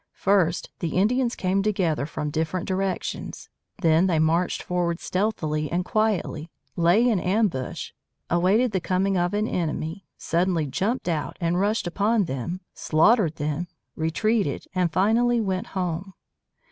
First, the Indians came together from different directions. Then they marched forward stealthily and quietly, lay in ambush, awaited the coming of the enemy, suddenly jumped out and rushed upon them, slaughtered them, retreated, and finally went home.